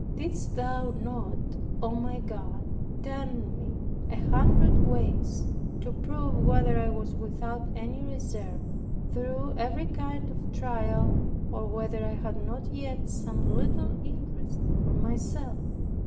Didst thou not, O my God, turn me a hundred ways, to prove whether I was without any reserve, through every kind of trial, or whether I had not yet some little interest for myself?